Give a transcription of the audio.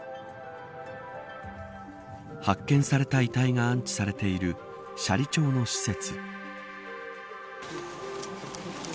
発見された遺体が安置されている斜里町の施設。